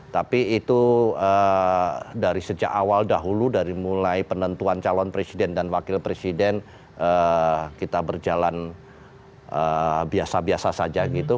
tapi itu dari sejak awal dahulu dari mulai penentuan calon presiden dan wakil presiden kita berjalan biasa biasa saja gitu